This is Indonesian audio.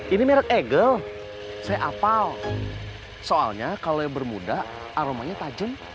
ini merek egel saya apal soalnya kalau yang bermuda aromanya tajam